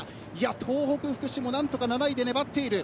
東北福祉も何とか７位で粘っている。